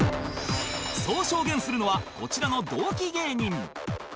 そう証言するのはこちらの同期芸人